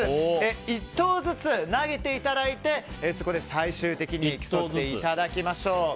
１投ずつ投げていただいてそこで最終的に競っていただきましょう。